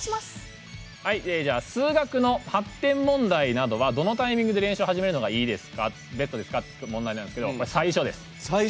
「数学の発展問題などはどのタイミングで練習を始めるのがベストですか？」ということですが最初です。